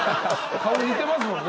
顔似てますもんね。